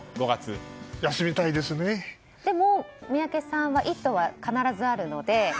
でも宮家さんは「イット！」は必ずあるので。